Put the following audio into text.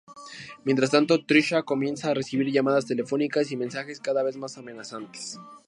Mientras tanto, Trisha comienza a recibir llamadas telefónicas y mensajes cada vez más amenazantes.